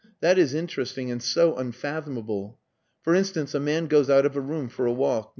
That is interesting and so unfathomable! For instance, a man goes out of a room for a walk.